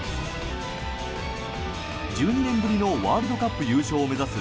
１２年ぶりのワールドカップ優勝を目指す